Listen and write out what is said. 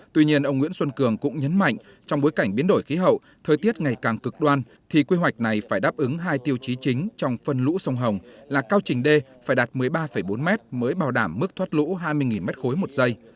tuy nhiên ông nguyễn xuân cường cũng nhấn mạnh trong bối cảnh biến đổi khí hậu thời tiết ngày càng cực đoan thì quy hoạch này phải đáp ứng hai tiêu chí chính trong phân lũ sông hồng là cao trình đê phải đạt một mươi ba bốn mét mới bảo đảm mức thoát lũ hai mươi m ba một giây